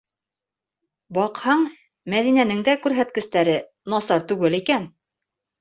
Баҡһаң, Мәҙинәнең дә күрһәткестәре насар түгел икән.